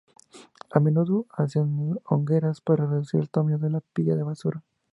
A menudo hacían hogueras para reducir el tamaño de la pila de basura.